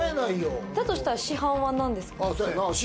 だとしたら師範は何ですか？